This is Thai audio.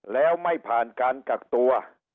แล้วไม่ผ่านการกักตัว